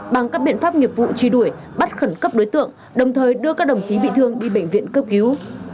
bằng các biện pháp nghiệp vụ truy đuổi bắt khẩn cấp đối tượng đồng thời đưa các đồng chí bị thương đi bệnh viện cấp cứu